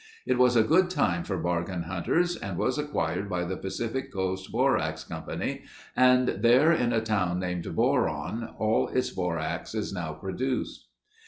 It was a good time for bargain hunters and was acquired by the Pacific Coast Borax Company and there in a town named Boron, all its borax is now produced.